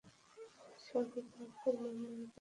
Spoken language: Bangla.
এর সদর দপ্তর মুম্বাইতে অবস্থিত।